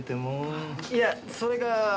いやそれが。